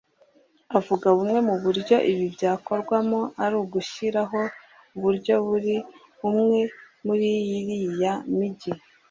avuga bumwe mu buryo ibi byakorwamo ari ugushyiraho uburyo buri umwe muri iriya mijyi